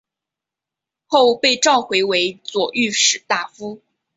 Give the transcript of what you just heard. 后被召回为左御史大夫。